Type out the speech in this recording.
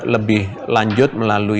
lebih lanjut melalui